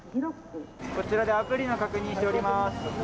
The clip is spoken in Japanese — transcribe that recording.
こちらでアプリの確認をしております。